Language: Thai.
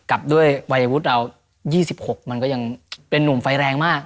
กับด้วยวัยวุฒิเรา๒๖มันก็ยังเป็นนุ่มไฟแรงมาก